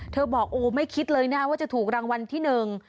บอกโอ้ไม่คิดเลยนะว่าจะถูกรางวัลที่หนึ่ง